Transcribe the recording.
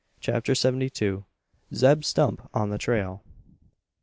CHAPTER SEVENTY TWO. ZEB STUMP ON THE TRAIL.